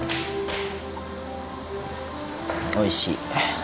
おいしい。